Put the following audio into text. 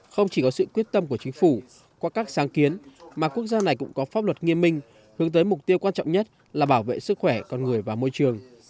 không chỉ có sự quyết tâm của chính phủ qua các sáng kiến mà quốc gia này cũng có pháp luật nghiêm minh hướng tới mục tiêu quan trọng nhất là bảo vệ sức khỏe con người và môi trường